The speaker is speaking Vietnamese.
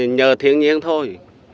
nuôi là nhờ thiên nhiên thôi